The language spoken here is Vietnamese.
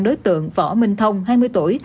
đối tượng võ minh thông hai mươi tuổi